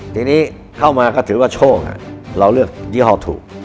ทีนี้เข้ามาก็ถือว่าโชคเราเลือกยี่ห้อถูก